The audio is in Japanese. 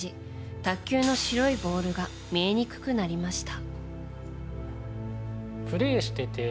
卓球の白いボールが見えにくくなりました。